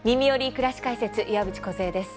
くらし解説」岩渕梢です。